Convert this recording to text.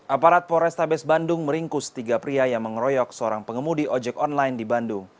aparat polrestabes bandung meringkus tiga pria yang mengeroyok seorang pengemudi ojek online di bandung